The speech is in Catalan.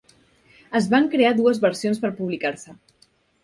Es van crear dues versions per publicar-se.